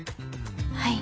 はい。